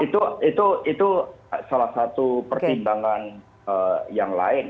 itu salah satu pertimbangan yang lain